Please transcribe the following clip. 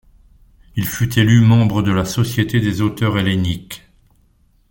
Il fut élu membre de la Société des Auteurs Helléniques.